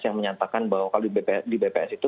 yang menyatakan bahwa kalau di bps itu